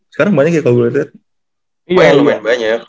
sekarang banyak ya kalau gue liat